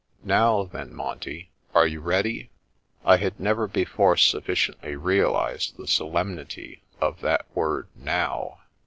Now, then, Monty, are you ready?" I had never before sufficiently realised the solem nity of that word " now."